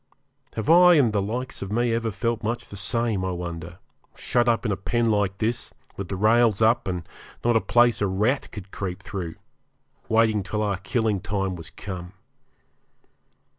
Have I and the likes of me ever felt much the same, I wonder, shut up in a pen like this, with the rails up, and not a place a rat could creep through, waiting till our killing time was come?